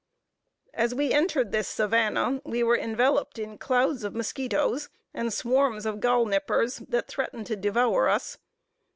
As we entered this savanna, we were enveloped in clouds of musquitos, and swarms of galinippers, that threatened to devour us.